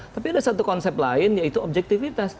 tapi ada satu konsep lain yaitu objektivitas